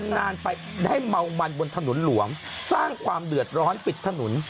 นานไปได้เมามันบนถนนหลวงสร้างความเดือดร้อนปิดถนน